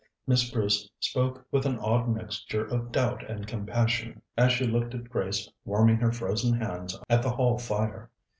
Miss Bruce spoke with an odd mixture of doubt and compassion, as she looked at Grace warming her frozen hands at the hall fire.